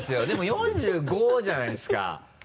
でも４５じゃないですか？